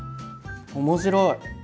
面白い！